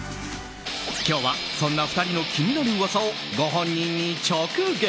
今日は、そんな２人の気になる噂をご本人に直撃。